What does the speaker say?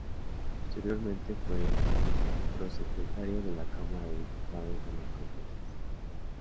Posteriormente fue prosecretario de la Cámara de Diputados de la Confederación.